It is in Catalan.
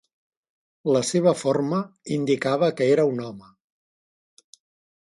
La seva forma indicava que era un home.